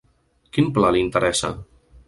Quin pla li interessa?